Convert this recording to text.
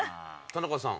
田中さん。